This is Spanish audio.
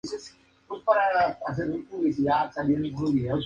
El episodio finaliza con los Griffin recibiendo y abriendo sus regalos.